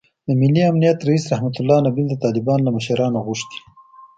د ملي امنیت رییس رحمتالله نبیل د طالبانو له مشرانو غوښتي